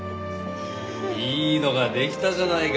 いいのが出来たじゃないか。